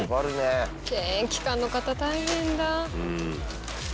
検疫官の方大変だ。